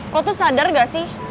kalau tuh sadar gak sih